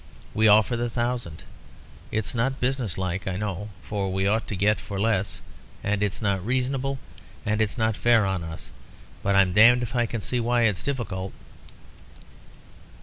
We offer the thousand. It's not business like, I know, for we ought to get it for less, and it's not reasonable and it's not fair on us, but I'm damned if I can see why it's difficult."